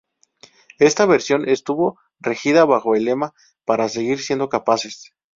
Esta versión estuvo regida bajo el lema "Para seguir siendo capaces".